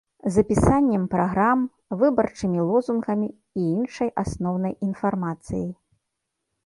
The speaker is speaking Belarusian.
З апісаннем праграм, выбарчымі лозунгамі і іншай асноўнай інфармацыяй.